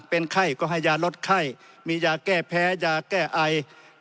เป็นไข้ก็ให้ยาลดไข้มียาแก้แพ้ยาแก้ไอ